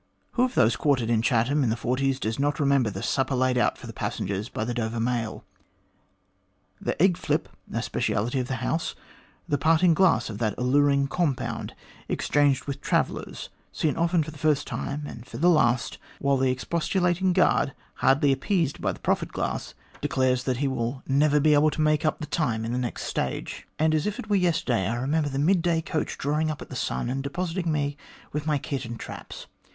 Who of those quartered in Chatham in the forties does not remember the supper laid out for the passengers by the Dover mail ; the egg flip, a speciality of the house ; the parting glass of that alluring compound exchanged with the traveller, seen often for the first time and for the last, while the expostulating guard, hardly appeased by the preferred glass, declares that he will never 175 176 THE GLADSTONE COLONY be able to make up the time in the next stage. As if it were yesterday, I remember the mid day coach drawing up at 'The Sun,' and depositing me with kit and traps.